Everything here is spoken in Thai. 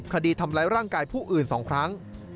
คดีทำร้ายร่างกายผู้อื่น๒ครั้ง